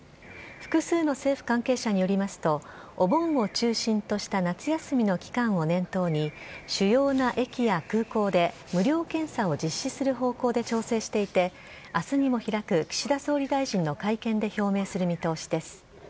複数の政府関係者によりますとお盆を中心とした夏休みの期間を念頭に主要な駅や空港で無料検査を実施する方向で調整していて明日にも開く岸田総理大臣の会見で表明する見通しです。